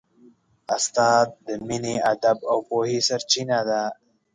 استاد د مینې، ادب او پوهې سرچینه ده.